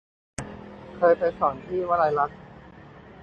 เคยไปสอนที่วลัยลักษณ์